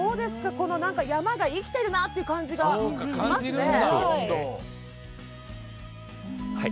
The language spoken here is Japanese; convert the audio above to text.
山が生きているなっていう感じがしますね。